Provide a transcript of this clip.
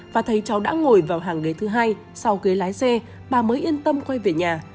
và thấy cháu đã ngồi vào hàng ghế thứ hai sau ghế lái xe bà mới yên tâm quay về nhà